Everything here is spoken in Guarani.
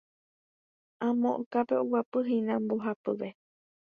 Amo okápe oguapýhína mbohapyve.